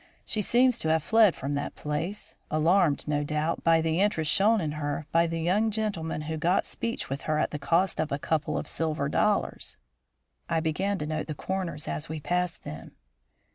She seems to have fled from that place, alarmed, no doubt, by the interest shown in her by the young gentleman who got speech with her at the cost of a couple of silver dollars." I began to note the corners as we passed them.